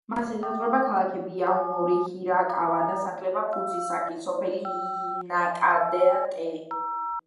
მას ესაზღვრება ქალაქები აომორი, ჰირაკავა, დასახლება ფუძისაკი, სოფელი ინაკადატე.